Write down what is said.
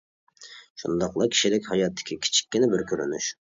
شۇنداقلا كىشىلىك ھاياتتىكى كىچىككىنە بىر كۆرۈنۈش.